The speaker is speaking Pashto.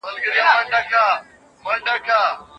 د زده کړې پر مهال تمرکز وساته او هر ډول ګډوډي لرې کړه.